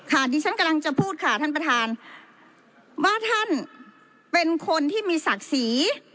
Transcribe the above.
ดิฉันกำลังจะพูดค่ะท่านประธานว่าท่านเป็นคนที่มีศักดิ์ศรี